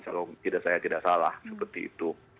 kalau saya tidak salah seperti itu